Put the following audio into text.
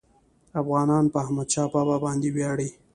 افغانان په احمدشاه بابا باندي ویاړي.